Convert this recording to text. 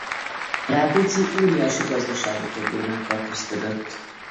Rákóczi óriási gazdasági problémákkal küszködött.